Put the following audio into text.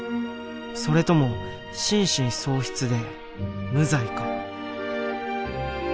それとも心神喪失で無罪か？